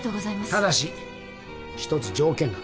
ただし１つ条件が